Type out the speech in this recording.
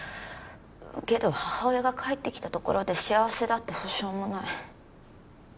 けど母親が帰ってきたところで幸せだって保証もない。